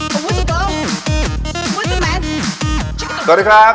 สวัสดีครับ